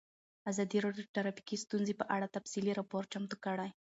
ازادي راډیو د ټرافیکي ستونزې په اړه تفصیلي راپور چمتو کړی.